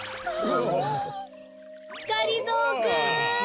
がりぞーくん。